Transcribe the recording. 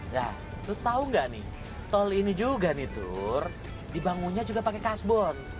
nah lu tau gak nih tol ini juga nih tur dibangunnya juga pakai kasbon